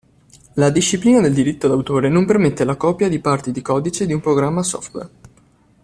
La disciplina del diritto d'autore non permette la copia di parti di codice di un programma software.